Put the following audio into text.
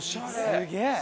すげえ！